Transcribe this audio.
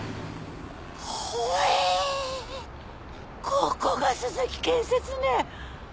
ここが鈴木建設ね！